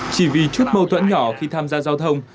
chỉ vì chút mâu thuẫn nhỏ khi tham gia giao thông